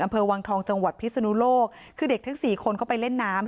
อำเภอวังทองจังหวัดพิศนุโลกคือเด็กทั้งสี่คนเข้าไปเล่นน้ำ